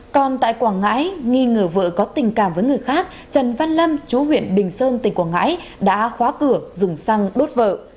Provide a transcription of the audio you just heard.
còn tại quảng ngãi nghi ngờ vợ có tình cảm với người khác trần văn lâm chú huyện bình sơn tỉnh quảng ngãi đã khóa cửa dùng xăng đốt vợ